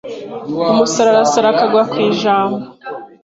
Umusazi arasara akagwa ku ijambo